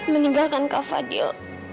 meninggalkan kak fadil